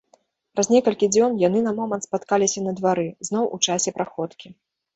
Праз некалькі дзён яны на момант спаткаліся на двары, зноў у часе праходкі.